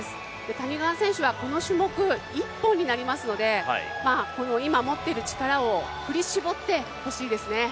谷川選手はこの種目１本になりますので、今持っている力を振り絞ってほしいですね。